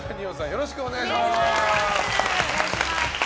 よろしくお願いします。